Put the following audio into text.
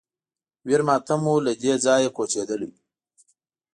ویر ماتم و له دې ځایه کوچېدلی